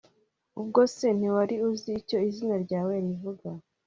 ubwo se ntiwari uzi icyo izina ryawe rivuga